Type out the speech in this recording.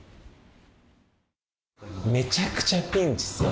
めちゃくちゃピンチですよ。